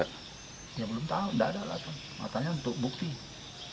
enam puluh dua juta sekian disita penyidik itu iya alasannya enggak tahu